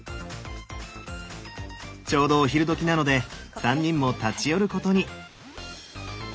ちょうどお昼どきなので３人も立ち寄ることに。